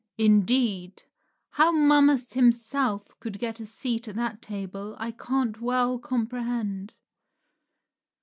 Indeed, how Momus himself could get a seat at that table I can't well comprehend.